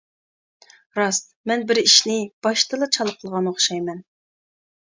راست، مەن بىر ئىشنى باشتىلا چالا قىلغان ئوخشايمەن.